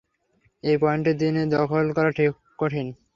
এই পয়েন্ট দিনে দখল করা কঠিন।